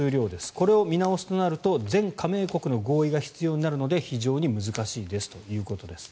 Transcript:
これを見直すとなると全加盟国の合意が必要になるので非常に難しいですということです。